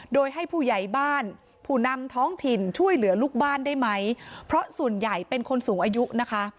โดยให้ผู้ใหญ่บ้านผู้นำท้องถิ่นช่วยเหลือลูกบ้านได้ไหมเพราะส่วนใหญ่เป็นคนสูงอายุนะคะ